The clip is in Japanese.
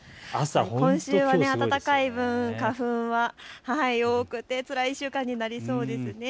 今週は暖かい分、花粉は多くてつらい１週間になりそうですね。